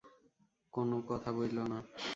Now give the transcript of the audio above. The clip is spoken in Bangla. কোন কথা বইলো না।